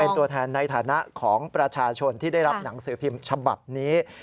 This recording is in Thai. เป็นตัวแทนในฐานะของประชาชนที่ได้รับหนังสือพิมพ์ฉบับนี้